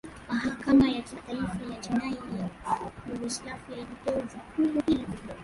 mahakama ya kimataifa ya jinai ya yugoslavia ilipewa jukumu hilo